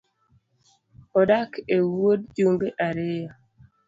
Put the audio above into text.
Odak e wuod jumbe ariyo